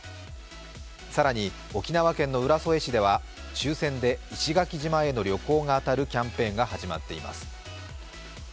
更に沖縄県の浦添市では抽選で石垣島への旅行が当たるキャンペーンが始まっています。